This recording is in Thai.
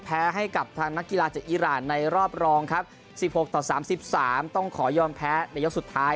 แพ้ให้กับทางนักกีฬาจากอีรานในรอบรองครับ๑๖ต่อ๓๓ต้องขอยอมแพ้ในยกสุดท้าย